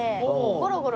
ゴロゴロ？